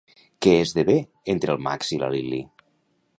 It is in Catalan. Què esdevé entre el Max i la Lily?